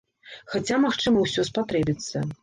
Хаця, магчыма ўсё спатрэбіцца.